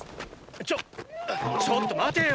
ちょちょっと待てよ！